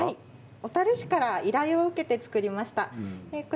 小樽市から依頼を受けて作りました。